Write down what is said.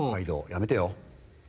やめてよ。